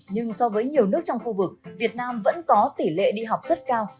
nhưng so với nhiều nước trong khu vực việt nam vẫn có tỷ lệ đi học rất cao